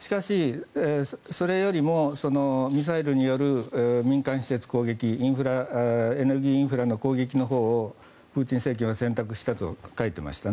しかしそれよりもミサイルによる民間施設攻撃エネルギーインフラの攻撃のほうを選択したと書いていました。